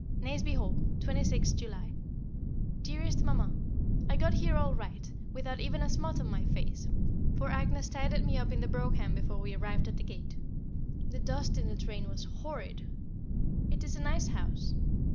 Nazeby Hall, 26th July. Dearest Mamma, I got here all right, without even a smut on my face, for Agnès tidied me up in the brougham before we arrived at the gate. The dust in the train was horrid. It is a nice house.